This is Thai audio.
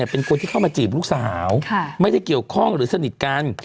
เป็นคนที่เข้ามาจีบลูกสาวไม่ได้เกี่ยวข้องหรือสนิทกัน